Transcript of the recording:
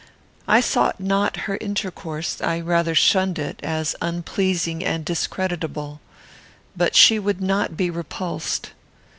I sought not her intercourse; I rather shunned it, as unpleasing and discreditable, but she would not be repulsed.